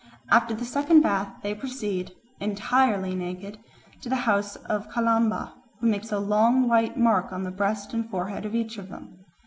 After the second bath they proceed, entirely naked, to the house of Kalamba, who makes a long white mark on the breast and forehead of each of them.